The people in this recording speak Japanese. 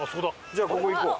じゃあここ行こう。